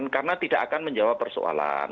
karena tidak akan menjawab persoalan